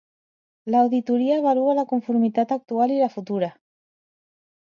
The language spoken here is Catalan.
L'auditoria avalua la conformitat actual i la futura.